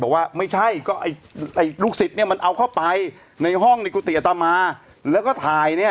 บอกว่าไม่ใช่ก็ไอ้ลูกศิษย์เนี่ยมันเอาเข้าไปในห้องในกุฏิอัตมาแล้วก็ถ่ายเนี่ย